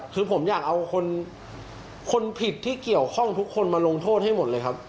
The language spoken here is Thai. คือผมอยากเอาคนผิดที่เกี่ยวข้องทุกคนมาลงโทษให้หมดเลยครับ